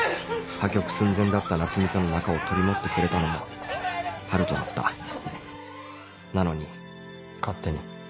破局寸前だった奈津美との仲を取り持ってくれたのも春斗だったなのに勝手に？